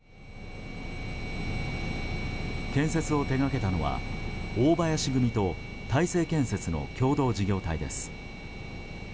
建設を手掛けたのは大林組と大成建設の共同事業体です。